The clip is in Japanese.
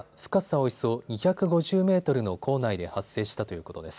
およそ２５０メートルの坑内で発生したということです。